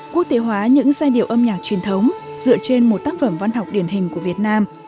quốc tế hóa những giai điệu âm nhạc truyền thống dựa trên một tác phẩm văn học điển hình của việt nam